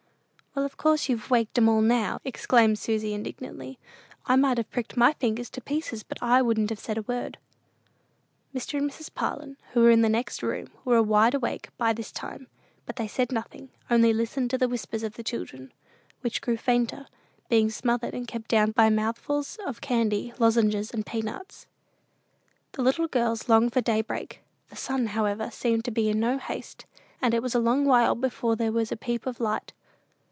"Well, of course you've waked 'em all now," exclaimed Susy, indignantly: "I might have pricked my fingers to pieces, but I wouldn't have said a word." Mr. and Mrs. Parlin, who were in the next room, were wide awake by this time; but they said nothing, only listened to the whispers of the children, which grew fainter, being smothered and kept down by mouthfuls of candy, lozenges, and peanuts. The little girls longed for daybreak. The sun, however, seemed to be in no haste, and it was a long while before there was a peep of light.